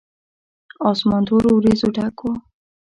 اسمان تورو وريځو ډک و.